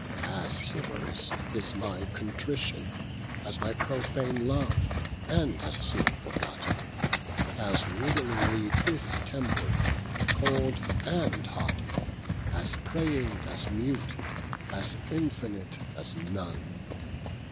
As humorous is my contritione As my prophane Love, and as soone forgott: As ridlingly distemper'd, cold and hott, As praying, as mute; as infinite, as none.